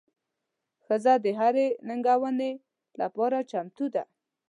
ښځه د هرې ننګونې لپاره چمتو ده.